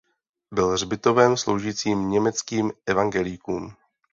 Byl hřbitovem sloužícím německým evangelíkům.